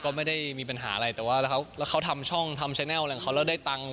ก็ไม่ได้มีปัญหาอะไรแต่ว่าเขาทำช่องทำแชนัลอะไรของเขาแล้วได้ตังค์